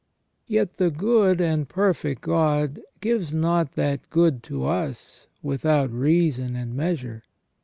Yet the good and perfect God gives not that good to us without reason and measure.